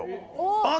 あっ！